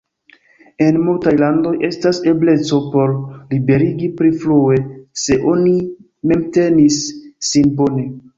En multaj landoj estas ebleco por liberigi pli frue, se oni memtenis sin bone.